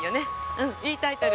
うんいいタイトル。